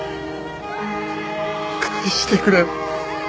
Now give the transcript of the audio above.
返してくれ。